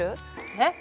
えっ？